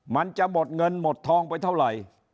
มันจะหมดเงินหมดทองไปเท่าไหร่